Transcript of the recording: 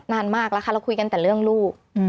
นานมากแล้วค่ะเราคุยกันแต่เรื่องลูก